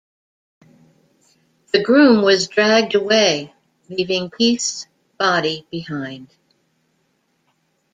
The groom was dragged away, leaving Keith's body behind.